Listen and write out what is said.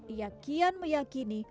ia kian meyakini